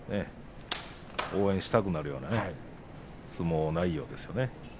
応援したくなるような相撲内容ですね。